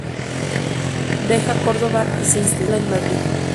Deja Córdoba y se instala en Madrid.